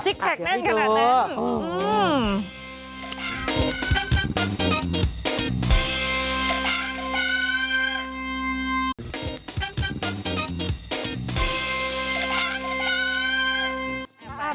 ซิกแพคแน่นขนาดนั้น